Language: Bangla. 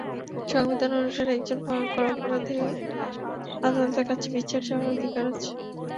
সংবিধান অনুসারে একজন ভয়ংকর অপরাধীরও আদালতের কাছে বিচার চাওয়ার অধিকার আছে।